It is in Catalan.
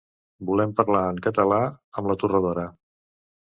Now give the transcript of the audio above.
Volem parlar en català amb la torradora.